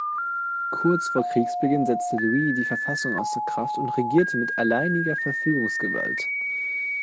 Kurz vor Kriegsbeginn setzte Louis die Verfassung außer Kraft und regierte mit alleiniger Verfügungsgewalt.